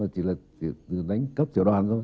chỉ là đánh cấp tiểu đoàn thôi